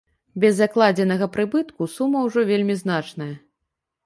Без закладзенага прыбытку сума ўжо вельмі значная.